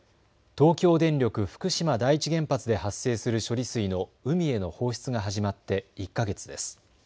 東京電力福島第一原発で発生する処理水の海への放出が始まって１か月です。